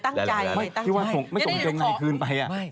อันนี้คือตั้งใจไงตั้งใจของครึ่งไหน